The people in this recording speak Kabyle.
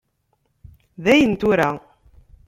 Dayen tura.